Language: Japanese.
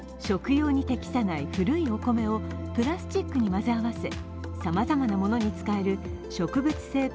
食用に適さない古いお米をプラスチックに混ぜ合わせさまざまなものに使える植物性